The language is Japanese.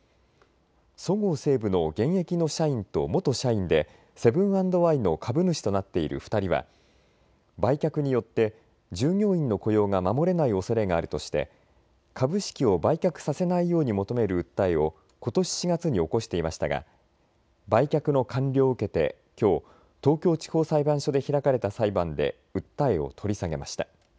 そごう・西武の現役の社員と元社員でセブン＆アイの株主となっている２人は売却によって従業員の雇用が守れないおそれがあるとして株式を売却させないように求める訴えをことし４月に起こしていましたが売却の完了を受けてきょう東京地方裁判所で開かれた裁判で訴えを取り下げました。